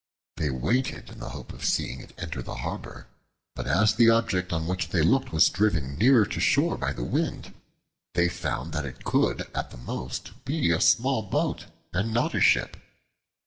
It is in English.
They waited in the hope of seeing it enter the harbor, but as the object on which they looked was driven nearer to shore by the wind, they found that it could at the most be a small boat, and not a ship.